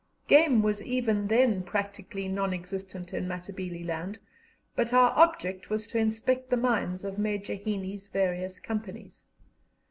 Game was even then practically non existent in Matabeleland, but our object was to inspect the mines of Major Heaney's various companies.